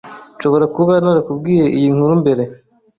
Nshobora kuba narakubwiye iyi nkuru mbere.